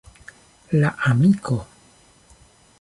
La amiko.